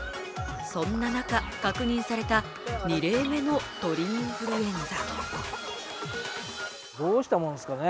そんな中、確認された２例目の鳥インフルエンザ。